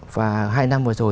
và hai năm vừa rồi